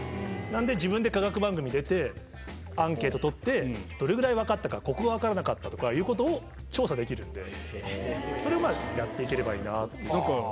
なんで、自分で科学番組出て、アンケート取って、どれぐらい分かったか、ここが分からなかったということを調査できるんで、それをやっていければいいなと。